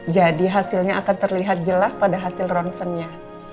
jadi hasilnya akan terlihat jelas pada hasil ronsennya